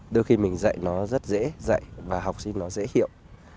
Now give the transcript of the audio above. đôi khi mình dạy nó rất dễ dạy và học sinh nó dễ hiểu